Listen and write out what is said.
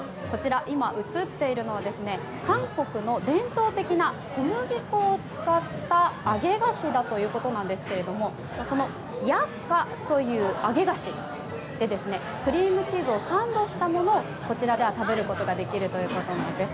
今映っているのは韓国の伝統的な小麦粉を使った揚げ菓子だということなんですがヤックァという揚げ菓子でクリームチーズをサンドしたものをこちらでは食べられるということです。